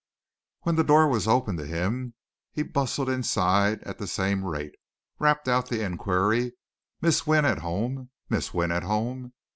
When the door was opened to him he bustled inside at the same rate, rapped out the inquiry, "Miss Wynne at home? Miss Wynne at home?"